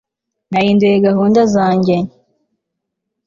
Nahinduye gahunda zanjye